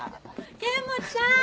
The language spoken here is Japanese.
剣持さん！